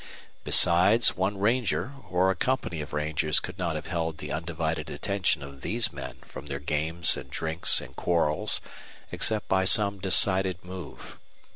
Besides, one ranger or a company of rangers could not have held the undivided attention of these men from their games and drinks and quarrels except by some decided move.